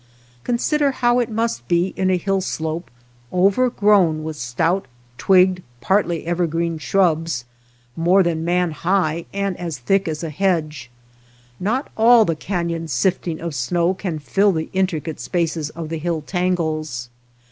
Consider how it must be in a hill slope overgrown with stout twigged, partly evergreen shrubs, more than man 198 THE STREETS OF THE MOUNTAINS high, and as thick as a hedge. Not all the caiion's sifting of snow can fill the intri cate spaces of the hill tangles.